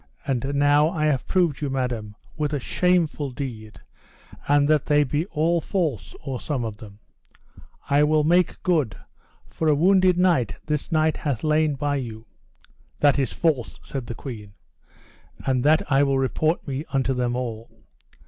And now I have proved you, madam, with a shameful deed; and that they be all false, or some of them, I will make good, for a wounded knight this night hath lain by you. That is false, said the queen, and that I will report me unto them all.